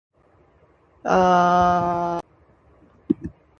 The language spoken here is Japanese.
この道はどこに続くのですか